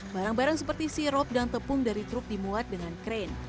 barang barang seperti sirop dan tepung dari truk dimuat dengan krain